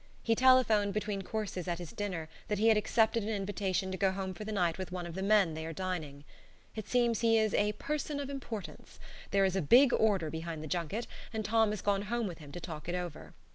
He telephoned between courses at his dinner that he had accepted an invitation to go home for the night with one of the men they are dining. It seems he is a "person of importance" there is a big order behind the junket, and Tom has gone home with him to talk it over.